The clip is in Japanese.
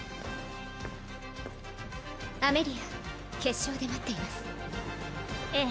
アメリア決勝で待っていますええ